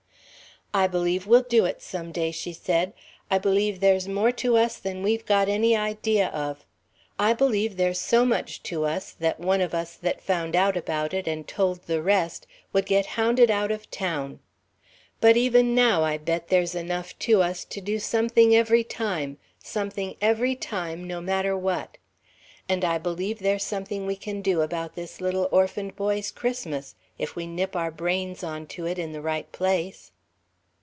"I believe we'll do it some day," she said. "I believe there's more to us than we've got any idea of. I believe there's so much to us that one of us that found out about it and told the rest would get hounded out of town. But even now, I bet there's enough to us to do something every time something every time, no matter what. And I believe there's something we can do about this little orphaned boy's Christmas, if we nip our brains on to it in the right place."